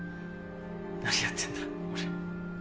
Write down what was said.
何やってんだ俺。